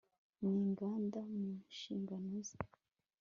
n inganda mu nshingano ze